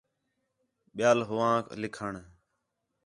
ٻِیال ہُوہانک لِکّھݨ